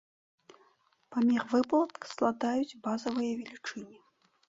Памер выплат складаюць базавыя велічыні.